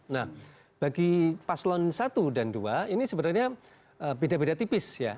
nah bagi paslon satu dan dua ini sebenarnya beda beda tipis ya